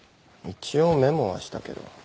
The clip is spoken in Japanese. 一応メモはしたけど。